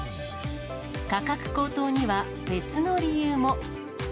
価格高騰には別の理由も。